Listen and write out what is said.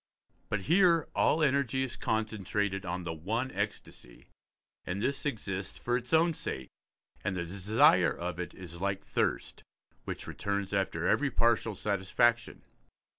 But here all energy is concentrated on the one ecstasy, and this exists for its own sake, and the desire of it is like thirst, which returns after every partial satisfaction.